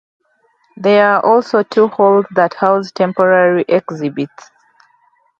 There are also two halls that house temporary exhibits.